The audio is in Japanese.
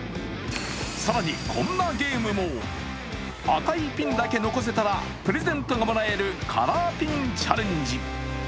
更にこんなゲームも赤いピンだけ残せたらプレゼントがもらえるカラーピンチャレンジ。